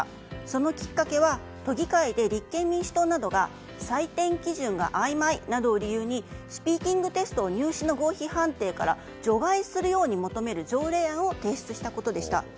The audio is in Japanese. そのきっかけは、都議会で立憲民主党などが採点基準が曖昧などを理由にスピーキングテストを入試の合否判定から除外するように求める条例案を提出したことでした。